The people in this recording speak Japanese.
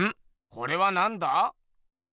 これはなんだ？